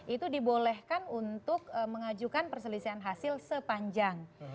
itu dibolehkan untuk mengajukan perselisihan hasil sepanjang